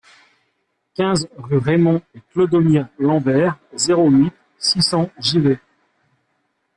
quinze rue Raymond et Clodomir Lamber, zéro huit, six cents Givet